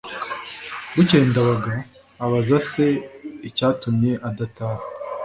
Bukeye Ndabaga abaza se icyatumye adataha,